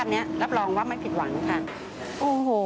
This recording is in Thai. ขึ้นไปเลยโทรกันค่ะ